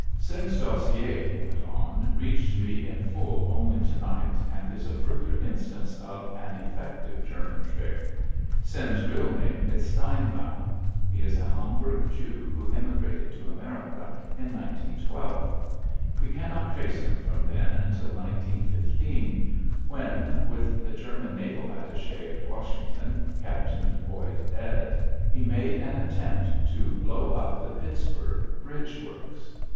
"Sims's dossier," he went on, "reached me in full only to night, and is a further instance of an effective German trick. Sims's real name is Steinbaum. He is a Hamburg Jew, who emigrated to America in 1912. We cannot trace him from then until 1915, when, with the German naval attaché at Washington, Captain Boy Ed, he made an attempt to blow up the Pittsburg bridge works.